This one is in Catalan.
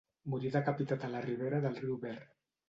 Morí decapitat a la ribera del riu Ver.